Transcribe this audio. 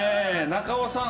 中尾さん